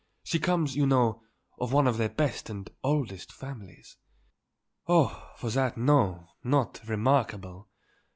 She comes, you know, of one of their best and oldest families." "Oh, for that, no; not remarkable.